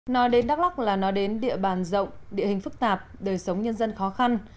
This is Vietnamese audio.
nói đến đắk lắc là nói đến địa bàn rộng địa hình phức tạp đời sống nhân dân khó khăn